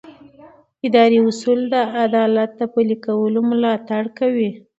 اداري اصول د عدالت د پلي کولو ملاتړ کوي.